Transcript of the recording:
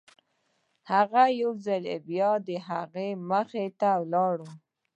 هغه يو ځل بيا د هغه مخې ته ولاړ و.